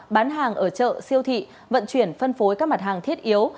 bán hàng ở chợ siêu thị vận chuyển phân phối các mặt hàng thiết yếu